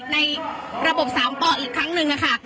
ในระบบ๓ปอีกครั้งหนึ่งค่ะ